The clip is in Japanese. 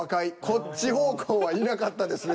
こっち方向はいなかったですね